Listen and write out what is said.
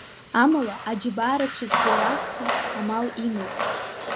Амала, аџьабаа рацәа збо раасҭа, амал имоуп.